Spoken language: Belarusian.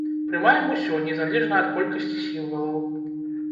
Прымаем усё, незалежна ад колькасці сімвалаў.